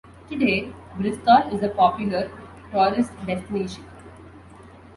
Today, Bristol is a popular tourist destination.